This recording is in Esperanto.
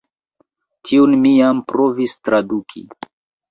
Tiun mi jam provis traduki.